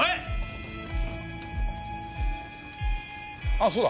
あっそうだ！